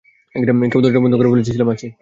কেউ দরজা বন্ধ করে ফেলেছে, শিলা মাসি!